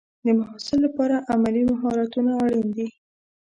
د محصل لپاره عملي مهارتونه اړین دي.